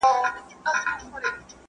د جرګې پرېکړه نه ماتیږي.